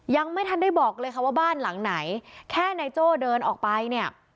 ยังไม่ทันได้บอกเลยค่ะว่าบ้านหลังไหนแค่นายโจ้เดินออกไปเนี่ย